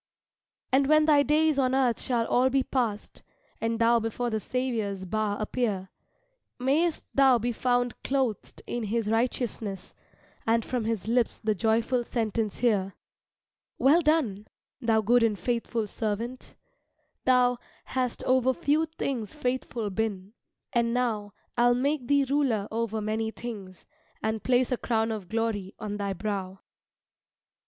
And when thy days on earth shall all be past, And thou before the Saviour's bar appear, Mayst thou be found clothed in his righteousness And from his lips the joyful sentence hear "Well done, thou good and faithful servant; thou Hast over few things faithful been, and now I'll make thee ruler over many things, And place a crown of glory on thy brow."